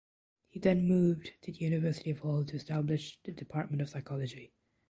He then moved to the University of Hull to establish the Department of Psychology.